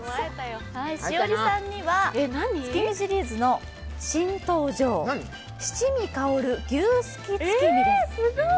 栞里さんには月見シリーズの新登場、七味香る牛すき月見です。